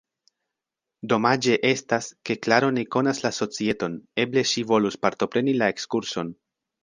Domaĝe estas, ke Klaro ne konas la societon, eble ŝi volus partopreni la ekskurson.